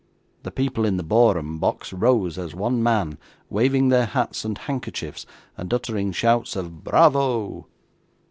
The people in the Borum box rose as one man, waving their hats and handkerchiefs, and uttering shouts of 'Bravo!